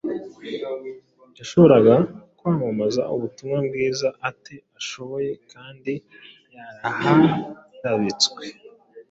Yashoboraga kwamamaza ubutumwa bwiza ate aboshye kandi yaraharabitswe?